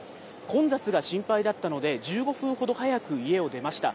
混雑が心配だったので１５分ほど早く家を出ました。